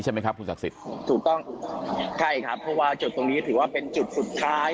ใช่ไหมครับคุณศักดิ์สิทธิ์ถูกต้องใช่ครับเพราะว่าจุดตรงนี้ถือว่าเป็นจุดสุดท้าย